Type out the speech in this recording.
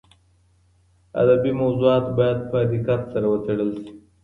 ادبي موضوعات باید په دقت سره وڅېړل شي.